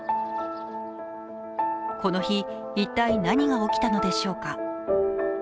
この日、一体何が起きたのでしょうか。